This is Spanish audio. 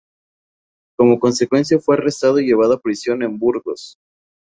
Como consecuencia, fue arrestado y llevado a prisión en Burgos.